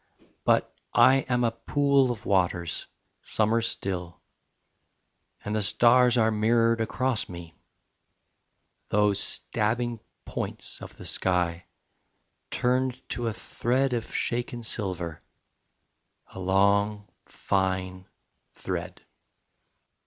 But I am a pool of waters, summer still, And the stars are mirrored across me; Those stabbing points of the sky Turned to a thread of shaken silver, A long fine thread.